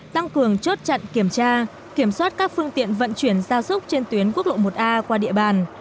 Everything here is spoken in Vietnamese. tăng cường chốt chặn kiểm tra kiểm soát các phương tiện vận chuyển gia súc trên tuyến quốc lộ một a qua địa bàn